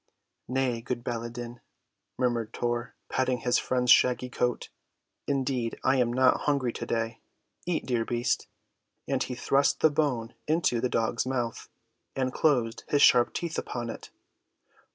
"Nay, good Baladan," murmured Tor, patting his friend's shaggy coat; "indeed I am not hungry to‐day. Eat, dear beast," and he thrust the bone into the dog's mouth, and closed his sharp teeth upon it.